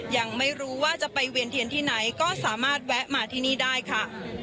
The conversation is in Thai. ยังไม่รู้ว่าจะไปเวียนเทียนที่ไหนก็สามารถแวะมาที่นี่ได้ค่ะ